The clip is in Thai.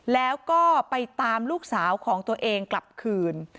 แล้วก็ไปตามลูกสาวของตัวเองกลับคืน